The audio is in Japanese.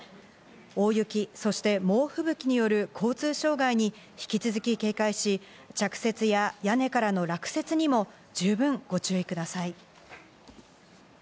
大雪そして猛吹雪による交通障害に引き続き警戒し、着雪や屋根からの落雪にも十分ご注意ください。